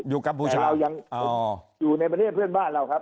กัมพูชายังอยู่ในประเทศเพื่อนบ้านเราครับ